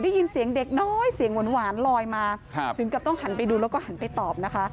ได้ยินเสียงเด็กน้อยเสียงหวานลอยมาถึงกับต้องหันไปดูแล้วก็หันไปตอบนะคะ